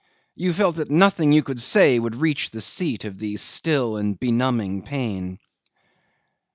You felt that nothing you could say would reach the seat of the still and benumbing pain.